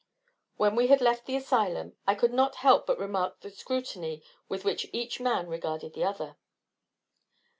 When we had left the asylum, I could not help but remark the scrutiny with which each man regarded the other.